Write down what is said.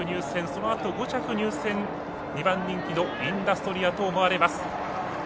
そのあと５着入線、２番人気のインダストリアと思われます。